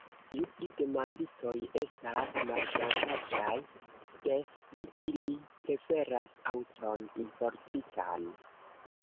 Ju pli demanditoj estas malgrandaĝaj, des pli ili preferas aŭton importitan.